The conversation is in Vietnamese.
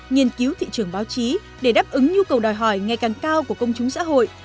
nghiên cứu thị trường báo chí để đáp ứng nhu cầu đòi hỏi ngày càng cao của công chúng xã hội